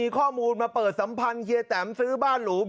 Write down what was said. ครับ